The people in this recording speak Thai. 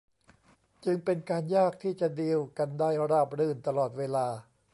จึงเป็นการยากที่จะดีลกันได้ราบรื่นตลอดเวลา